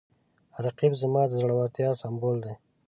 رقیب زما د زړورتیا سمبول دی